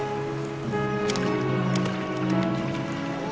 お！